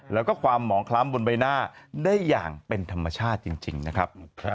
แล้วก็ความหมองคล้ำบนใบหน้าได้อย่างเป็นธรรมชาติจริงนะครับ